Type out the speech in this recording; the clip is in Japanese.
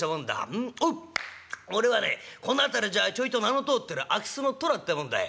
おっ俺はねこの辺りじゃちょいと名の通ってる空き巣の寅ってもんだい。